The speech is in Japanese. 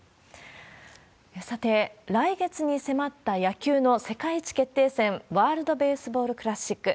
さて、来月に迫った野球の世界一決定戦、ワールドベースボールクラシック。